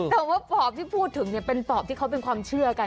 แต่ว่าปอบที่พูดถึงเป็นปอบที่เขาเป็นความเชื่อกัน